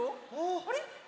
あれ？